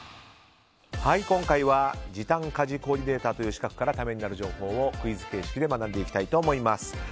今回は時短家事コーディネーターという資格からためになる情報をクイズ形式で学んでいきたいと思います。